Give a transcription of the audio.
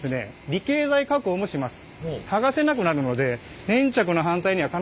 離型剤加工もします。